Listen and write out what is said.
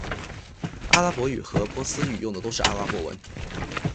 阿拉伯语和波斯语用的都是阿拉伯文。